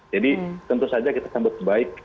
jadi tentu saja kita sempat baik